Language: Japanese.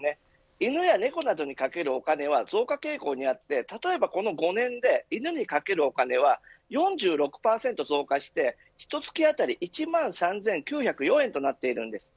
犬や猫などにかけるお金は増加傾向にあって例えばこの５年で犬にかけるお金は４６％増加してひと月あたり１万３９０４円となっているんです。